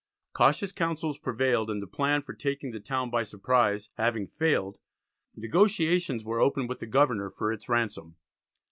Cautious counsels prevailed, and the plan for taking the town by surprise having failed, negotiations were opened with the governor for its ransom.